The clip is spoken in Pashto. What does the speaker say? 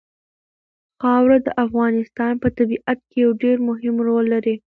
خاوره د افغانستان په طبیعت کې یو ډېر مهم رول لري.